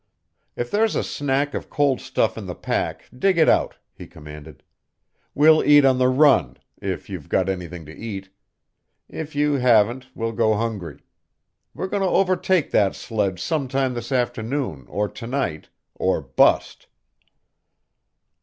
"If there's a snack of cold stuff in the pack dig it out," he commanded. "We'll eat on the run, if you've got anything to eat. If you haven't, we'll go hungry. We're going to overtake that sledge sometime this afternoon or to night or bust!"